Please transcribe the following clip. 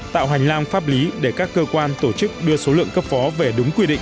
tạo hành lang pháp lý để các cơ quan tổ chức đưa số lượng cấp phó về đúng quy định